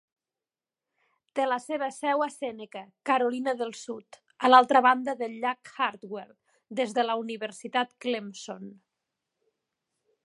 Té la seva seu a Seneca, Carolina del Sud, a l'altra banda del llac Hartwell des de la Universitat Clemson.